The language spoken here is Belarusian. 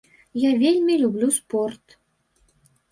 Я вельмі люблю спорт.